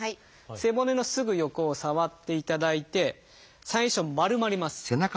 背骨のすぐ横を触っていただいて最初丸まります。